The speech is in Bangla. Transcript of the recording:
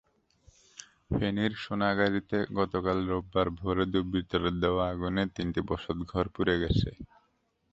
ফেনীর সোনাগাজীতে গতকাল রোববার ভোরে দুর্বৃত্তদের দেওয়া আগুনে তিনটি বসতঘর পুড়ে গেছে।